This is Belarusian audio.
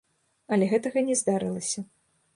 Але гэтага не здарылася.